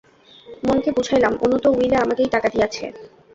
মনকে বুঝাইলাম, অনু তো উইলে আমাকেই টাকা দিয়াছে।